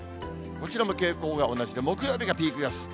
こちらも傾向が同じで、木曜日がピークです。